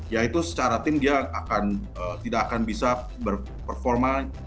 ya itu secara tim dia akan tidak akan bisa berperforman